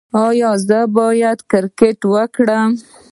ایا زه باید کرکټ وکړم؟